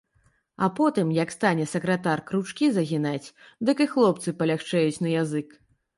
А потым, як стане сакратар кручкі загінаць, дык і хлопцы палягчэюць на язык.